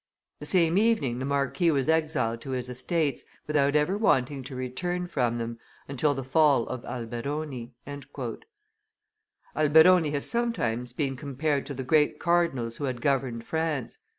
The same evening the marquis was exiled to his estates, without ever wanting to return from them, until the fall of Alberoni." Alberoni has sometimes been compared to the great cardinals who had governed France.